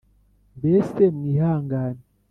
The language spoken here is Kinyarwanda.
mbese mwihangane